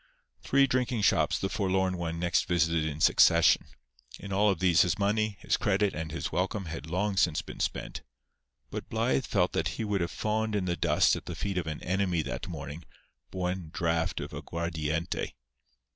Three drinking shops the forlorn one next visited in succession. In all of these his money, his credit and his welcome had long since been spent; but Blythe felt that he would have fawned in the dust at the feet of an enemy that morning for one draught of aguardiente.